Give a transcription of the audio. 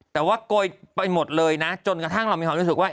แต่ว่าโกยไปหมดเลยนะจนกระทั่งเรามีความรู้สึกว่า